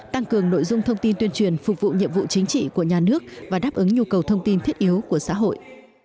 tăng cường nội dung thông tin tuyên truyền phục vụ nhiệm vụ chính trị của nhà nước và đáp ứng nhu cầu thông tin thiết yếu của xã hội